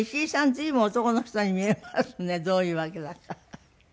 随分男の人に見えますねどういうわけだか。